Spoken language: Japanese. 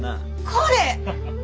これ！